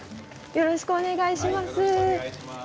よろしくお願いします。